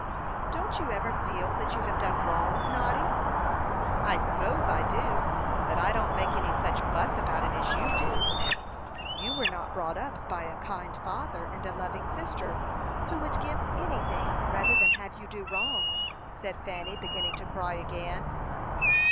"Don't you ever feel that you have done wrong, Noddy?" "I suppose I do; but I don't make any such fuss about it as you do." "You were not brought up by a kind father and a loving sister, who would give anything rather than have you do wrong," said Fanny, beginning to cry again.